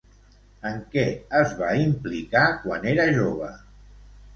En què es va implicar quan era jove?